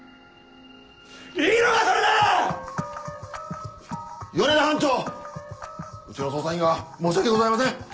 いいのかそれで‼米田班長うちの捜査員が申し訳ございません。